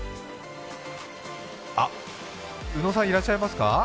あ宇野さん、いらっしゃいますか？